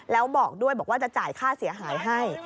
แล้วบอกด้วยบอกว่าจะจ่ายค่าเสียหายให้